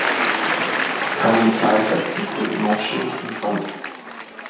Common side effects include nausea and vomiting.